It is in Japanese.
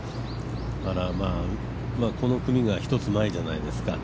この組が１つ前じゃないですか。